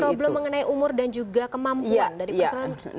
problem mengenai umur dan juga kemampuan dari persoalan